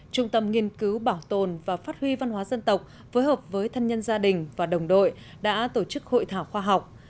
trung tâm nghiên cứu bảo tồn và phát huy văn hóa dân tộc phối hợp với thân nhân gia đình và đồng đội đã tổ chức hội thảo khoa học